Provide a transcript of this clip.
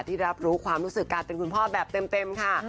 รับรู้ความรู้สึกการเป็นคุณพ่อแบบเต็มค่ะ